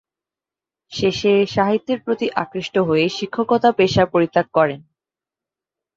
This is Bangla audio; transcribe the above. শেষে সাহিত্যের প্রতি আকৃষ্ট হয়ে শিক্ষকতা পেশা পরিত্যাগ করেন।